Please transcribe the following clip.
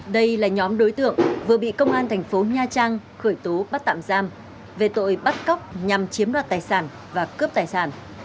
đây là nhóm đối tượng vừa bị công an thành phố nha trang khởi tố bắt tạm giam về tội bắt cóc nhằm chiếm đoạt tài sản và cướp tài sản